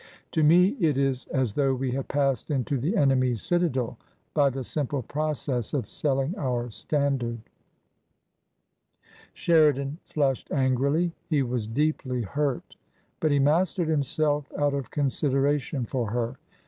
" To me it is as though we had passed into the enemy's citadel by the simple process of selling our standard !" TRANSITION. 245 Sheridan flushed angrily. He was deeply hurt. But he mastered himself out of consideration for her.